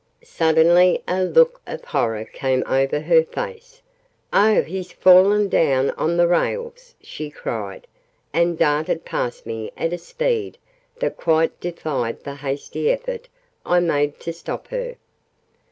Suddenly a look of horror came over her face. "Oh, he's fallen down on the rails!" she cried, and darted past me at a speed that quite defied the hasty effort I made to stop her.